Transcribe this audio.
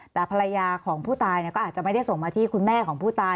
แต่ภรรยาของผู้ตายก็อาจจะไม่ได้ส่งมาที่คุณแม่ของผู้ตาย